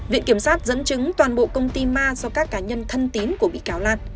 viện kiểm sát dẫn chứng toàn bộ công ty ma do các cá nhân thân tín của bị cáo lan